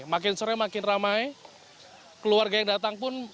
makin sore makin ramai keluarga yang datang pun